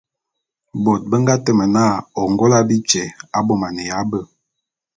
Bôt be nga teme na Ôngôla bityé abômaneya be.